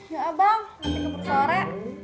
ya abang nanti ke persuara